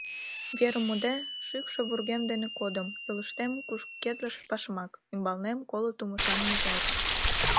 Верым муде, шӱкшӧ вургем дене кодым; йолыштем кушкедлыше пашмак, ӱмбалнем коло тумышан мыжер...